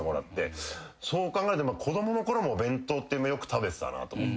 そう考えると子供のころもお弁当よく食べてたなと思って。